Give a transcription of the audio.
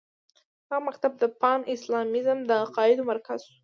دغه مکتب د پان اسلامیزم د عقایدو مرکز شو.